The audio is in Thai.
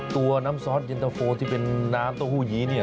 ตัวน้ำซอสเย็นตะโฟที่เป็นน้ำเต้าหู้ยี้เนี่ย